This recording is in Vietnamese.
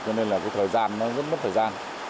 cho nên là cái thời gian nó rất mất thời gian